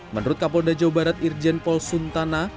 menurut kapolda jawa barat irjen polsuntana